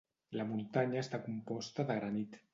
La muntanya està composta de granit.